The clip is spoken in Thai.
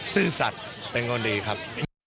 ซื่อสัตว์เป็นคนดีครับ